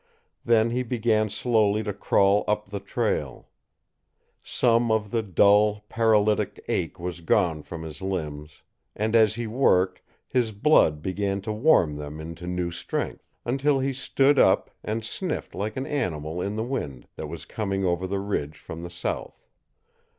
Then he began slowly to crawl up the trail. Some of the dull, paralytic ache was gone from his limbs, and as he worked his blood began to warm them into new strength, until he stood up and sniffed like an animal in the wind that was coming over the ridge from the south.